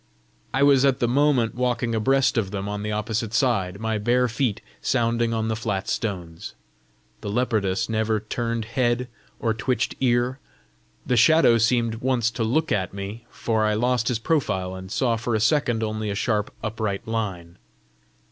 I was at the moment walking abreast of them on the opposite side, my bare feet sounding on the flat stones: the leopardess never turned head or twitched ear; the shadow seemed once to look at me, for I lost his profile, and saw for a second only a sharp upright line.